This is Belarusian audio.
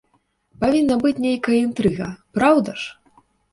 Павінна быць нейкая інтрыга, праўда ж?!